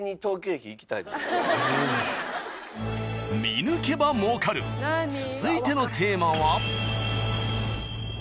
［『見抜けば儲かる！』続いてのテーマは］